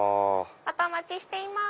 またお待ちしています。